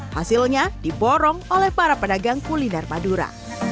hasilnya diporong oleh para pedagang kuliner madura